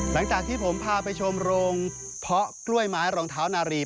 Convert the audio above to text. หลังจากที่ผมพาไปชมโรงเพาะกล้วยไม้รองเท้านารี